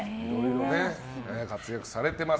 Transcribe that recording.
活躍されています。